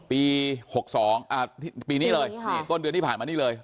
ปี๖๒ปีนี้เลยนี่ต้นเดือนที่ผ่านมานี่เลย